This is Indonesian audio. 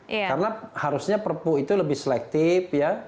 karena harusnya perpu itu lebih selektif ya